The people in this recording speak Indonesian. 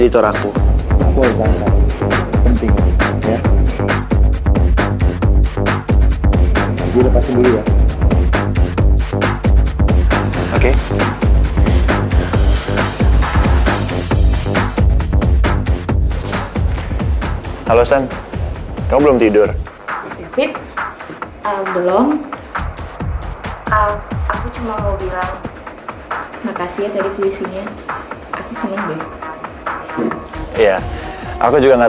sampai jumpa di video selanjutnya